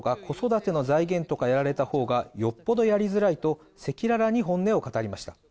防衛増税とか子育ての財源とかやられたほうがよっぽどやりづらいと赤裸々に本音を語りました。